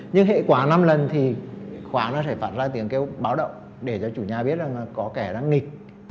nhưng hệ quả năm lần thì khóa nó sẽ phát ra tiếng kêu báo động để cho chủ nhà biết rằng có kẻ đang nghịch